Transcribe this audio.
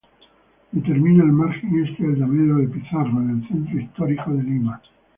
Determina el margen este del Damero de Pizarro en el centro histórico de Lima.